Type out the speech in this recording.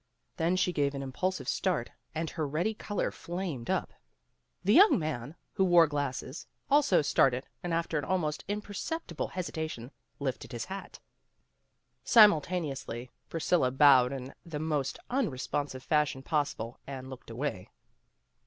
Then she gave an impulsive start and her ready color flamed up. The young man, 204 PEGGY RAYMOND'S WAY who wore glasses, also started and after an almost imperceptible hesitation lifted his hat. Simultaneously Priscilla bowed in the most un responsive fashion possible, and looked away.